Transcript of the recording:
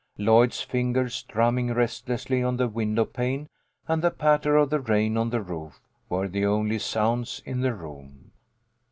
'Lloyd's fingers drumming restlessly on the window pane, and the patter of the rain on the roof, were the only sounds in the room.